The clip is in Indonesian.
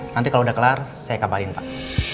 nanti kalau udah kelar saya kabarin pak